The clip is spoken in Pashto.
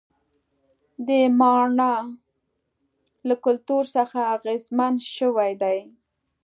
د ماڼانا له کلتور څخه اغېزمن شوي دي.